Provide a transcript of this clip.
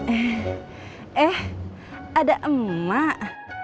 eh eh ada emak